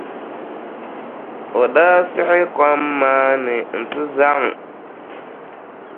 O daa siɣi kom maa ni nti zaŋ.